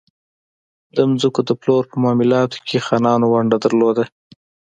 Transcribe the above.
د ځمکو د پلور په معاملاتو کې خانانو ونډه درلوده.